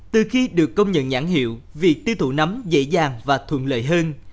từ khi được công nhận nhãn hiệu việc tiêu thụ nấm dễ dàng và thuận lợi hơn